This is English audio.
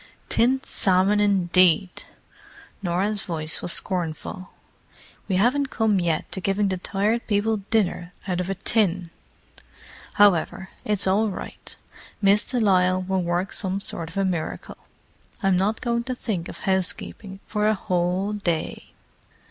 "Tinned salmon, indeed!" Norah's voice was scornful. "We haven't come yet to giving the Tired People dinner out of a tin. However, it's all right: Miss de Lisle will work some sort of a miracle. I'm not going to think of housekeeping for a whole day!"